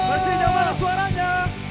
masih nyampe suaranya